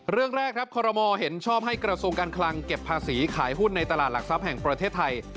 เรื่องแรกครับคอรมอลเห็นชอบให้กระทรวงการคลังเก็บภาษีขายหุ้นในตลาดหลักทรัพย์แห่งประเทศไทย